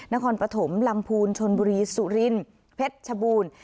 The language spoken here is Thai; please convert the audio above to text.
นครปฐมลำพูนชนบุรีสุรินเพชรชบูรณ์